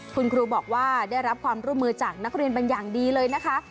คุณครูบอกว่าได้รับความร่วมมือจากนักเรียนเป็นอย่างดีเลยนะคะ